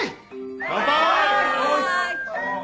乾杯！